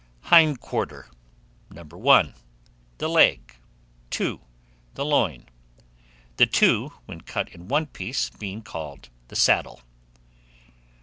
Hind quarter: No. 1, the leg; 2, the loin the two, when cut in one piece, being called the saddle.